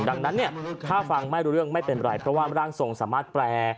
ดังนั้นถ้าฟังไม่รู้เรื่องไม่เป็นไร